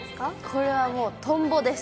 これはもう、トンボです。